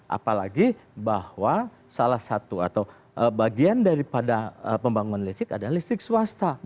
apalagi bahwa salah satu atau bagian daripada pembangunan listrik adalah listrik swasta